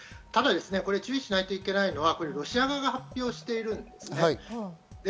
ただ、注意しないといけないのはロシア側が発表しているんですね。